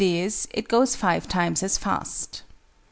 e._ it goes 5 times as fast.